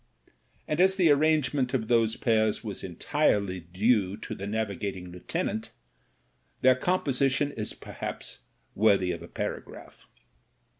And as the arrangement of those pairs was entirely due to the navigating lieutenant, their composition is per haps worthy of a paragraph.